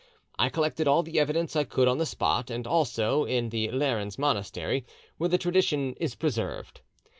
I collected all the evidence I could on the spot, and also in the Lerins monastery, where the tradition is preserved.